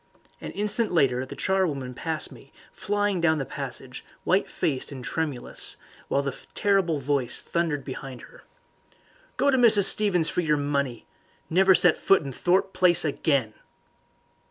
An instant later the charwoman passed me, flying down the passage, white faced and tremulous, while the terrible voice thundered behind her. "Go to Mrs. Stevens for your money! Never set foot in Thorpe Place again!"